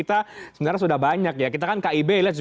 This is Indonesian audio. dan itu hanya mungkin kalau